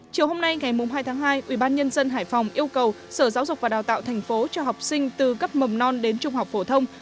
chiều hôm nay ngày hai tháng hai ubnd hải phòng yêu cầu sở giáo dục và đào tạo thành phố cho học sinh từ cấp mầm non đến trung học phổ thông